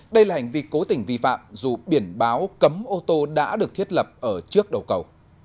đây là hành vi cố tình vi phạm dù biển báo cấm ô tô đã được thiết lập ở trước đầu cầu